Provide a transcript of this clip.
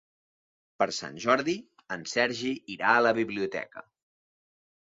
Per Sant Jordi en Sergi irà a la biblioteca.